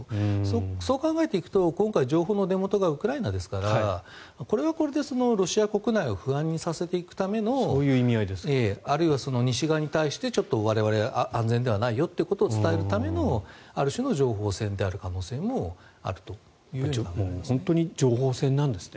そう考えていくと今回情報の出元がウクライナですからこれはこれでロシア国内を不安にさせていくためのあるいは西側に対して我々、安全ではないよということを伝えるためのある種の情報戦である可能性もあると思いますね。